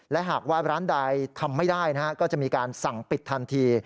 และหากว่าร้านใดทำไม่ได้ก็จะมีการสั่งปิดทันที